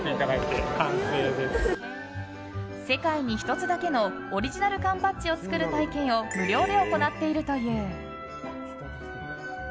世界に１つだけのオリジナル缶バッジを作る体験を無料で行っているという。